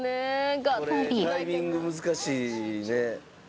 これタイミング難しいね。